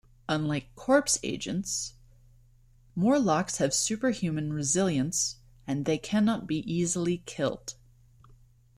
Unlike Corps agents, Morlocks have superhuman resilience, and they cannot be easily killed.